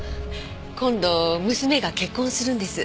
今度娘が結婚するんです。